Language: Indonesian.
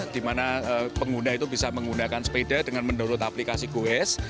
di mana pengguna itu bisa menggunakan sepeda dengan menurut aplikasi goes